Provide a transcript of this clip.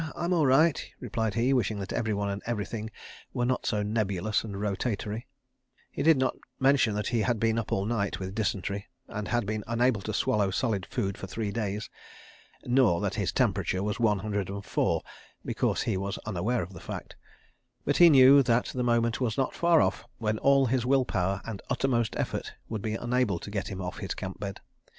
I'm all right," replied he, wishing that everyone and everything were not so nebulous and rotatory. He did not mention that he had been up all night with dysentery, and had been unable to swallow solid food for three days. (Nor that his temperature was one hundred and four—because he was unaware of the fact.) But he knew that the moment was not far off when all his will power and uttermost effort would be unable to get him off his camp bed.